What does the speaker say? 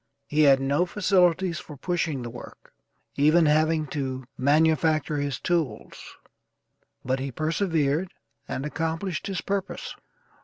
He had no facilities for pushing the work, even having to manufacture his tools, but he persevered and accomplished his purpose.